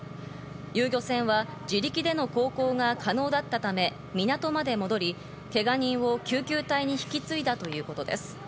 遊漁船は自力での航行が可能だったため、港まで戻り、けが人を救急隊に引き継いだということです。